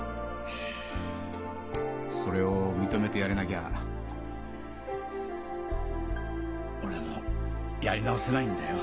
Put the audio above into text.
それを認めてやれなきゃ俺もやり直せないんだよ。